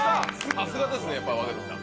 さすがですね若槻さん。